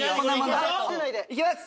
行きます！